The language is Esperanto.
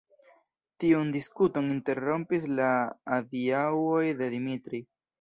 Tiun diskuton interrompis la adiaŭoj de Dimitri.